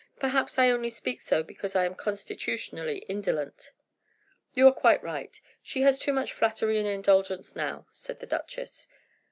Perhaps I only speak so because I am constitutionally indolent." "You are quite right. She has too much flattery and indulgence now," said the duchess.